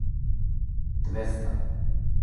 двеста